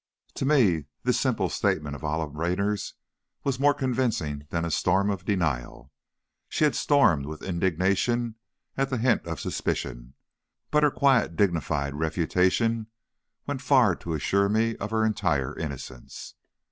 To me this simple statement of Olive Raynor's was more convincing than a storm of denial. She had stormed, with indignation, at the hint of suspicion, but her quiet, dignified refutation went far to assure me of her entire innocence.